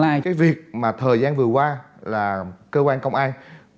cái việc mà thời gian vừa qua là cơ quan công an